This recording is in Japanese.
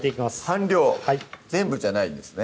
半量全部じゃないんですね